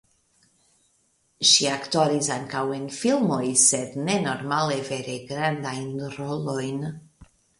Ŝi aktoris ankaŭ en filmoj sed ne normale vere grandajn rolojn.